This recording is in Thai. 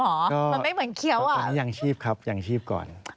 มันไม่เหมือนเคี้ยวเหรออย่างชีพครับอย่างชีพก่อนคุณหมอ